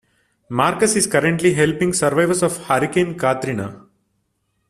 Markus is currently helping survivors of Hurricane Katrina.